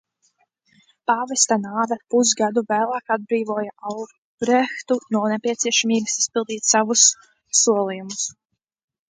Pāvesta nāve pusgadu vēlāk atbrīvoja Albrehtu no nepieciešamības izpildīt savus solījumus.